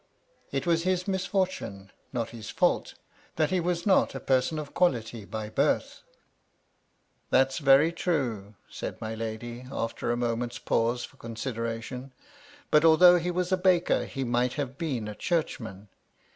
It was his misfortune, not his fault, that he was not a person of quality by birth." " That's very true," said my lady, after a moment's 328 MY LADY LUDLOW. pause for consideration. ''But, although he was a baker, he might have been a Churchman.